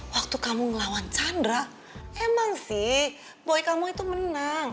waktu kamu ngelawan chandra emang sih boy kamu itu menang